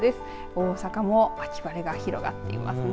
大阪も秋晴れが広がっていますね。